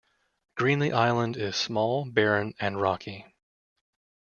Greenly Island is small, barren and rocky.